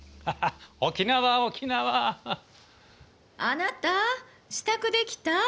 ・あなた支度できた？